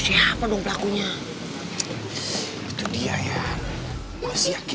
iya pasti wak